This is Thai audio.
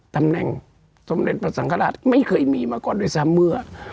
ตำแหน่งสมเด็จพระสังฆราชไม่เคยมีมาก่อนด้วยซ้ำเมื่อ